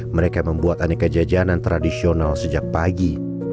mereka membuat aneka jajanan tradisional sejak pagi